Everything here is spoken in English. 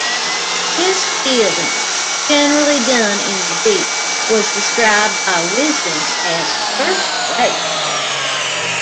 His fielding, generally done in the deep, was described by "Wisden" as "first rate".